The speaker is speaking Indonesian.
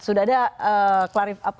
sudah ada klarif apa